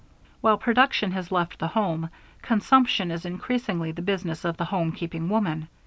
While production has left the home, consumption is increasingly the business of the home keeping woman.